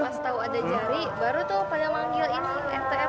pas tau ada jari baru tuh pada manggil ini mtr